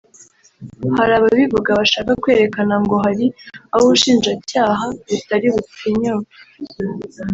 Hari ababivuga bashaka kwerekana ngo hari abo ubushinjacyaha butari butinyuke